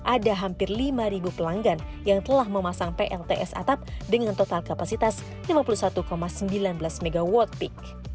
ada hampir lima pelanggan yang telah memasang plts atap dengan total kapasitas lima puluh satu sembilan belas mw peak